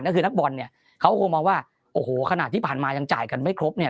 ก็คือนักบอลเนี่ยเขาคงมองว่าโอ้โหขนาดที่ผ่านมายังจ่ายกันไม่ครบเนี่ย